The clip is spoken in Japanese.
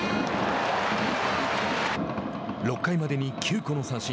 ６回までに９個の三振。